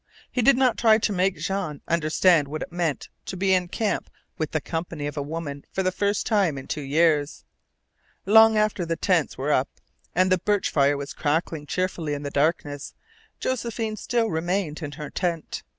He did not try to make Jean understand what it meant to be in camp with the company of a woman for the first time in two years. Long after the tents were up and the birch fire was crackling cheerfully in the darkness Josephine still remained in her tent.